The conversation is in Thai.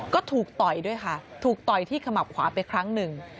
ก็ถูกต่อยด้วยค่ะถูกต่อยที่ขมับขวาไปครั้งหนึ่ง